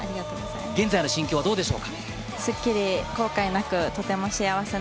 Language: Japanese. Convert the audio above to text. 現在の心境はどうでしょ